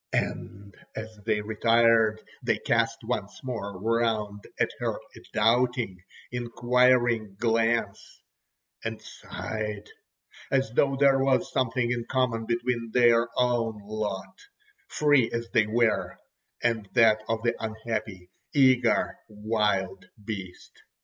And as they retired, they cast once more round at her a doubting, inquiring glance and sighed—as though there was something in common between their own lot, free as they were, and that of the unhappy, eager wild beast.